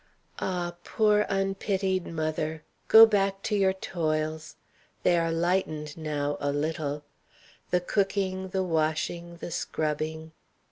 Ah, poor unpitied mother! go back to your toils; they are lightened now a little; the cooking, the washing, the scrubbing.